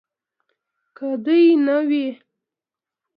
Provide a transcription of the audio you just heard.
که دوی نه وي